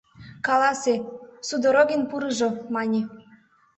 — Каласе, Судорогин пурыжо, — мане.